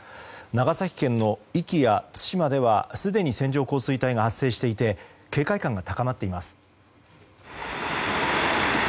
長崎県の壱岐や対馬ではすでに線状降水帯が発生していて警戒感が高まっています。